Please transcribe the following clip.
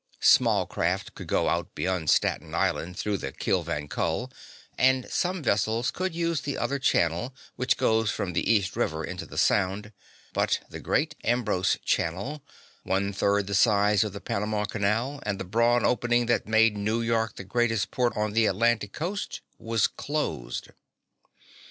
Small craft could go out behind Staten Island through the Kill van Kull, and some vessels could use the other channel which goes from the East River into the Sound, but the great Ambrose Channel one third the size of the Panama Canal and the broad opening that made New York the greatest port on the Atlantic coast was closed.